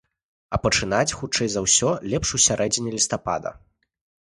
А пачынаць, хутчэй за ўсё, лепш у сярэдзіне лістапада.